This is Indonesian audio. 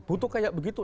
butuh kayak begitu